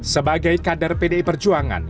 sebagai kader pdi perjuangan